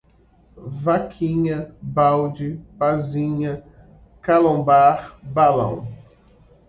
vaquina, balde, parzinha, calombar, balão